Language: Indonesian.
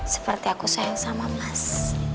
seperti aku sayang sama mas